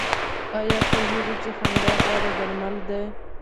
ایا پوهیږئ چې خندا غوره درمل ده؟